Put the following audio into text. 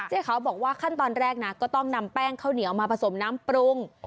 เขาบอกว่าขั้นตอนแรกนะก็ต้องนำแป้งข้าวเหนียวมาผสมน้ำปรุง